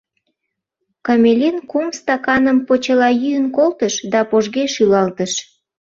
Комелин кум стаканым почела йӱын колтыш да пожге шӱлалтыш.